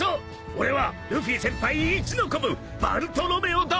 俺はルフィ先輩一の子分バルトロメオだべ！